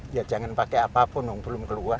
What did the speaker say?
ya jangan pakai apapun dong belum keluar